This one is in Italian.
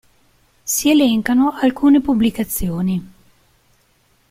Si elencano alcune pubblicazioni.